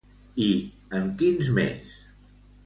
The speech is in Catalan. I en quins més?